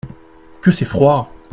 Que c’est froid !